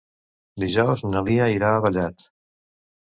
Dijous na Lia irà a Vallat.